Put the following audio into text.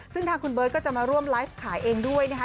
ซึ่งทางคุณเบิร์ตก็จะมาร่วมไลฟ์ขายเองด้วยนะคะ